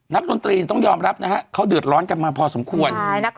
ดนตรีต้องยอมรับนะฮะเขาเดือดร้อนกันมาพอสมควร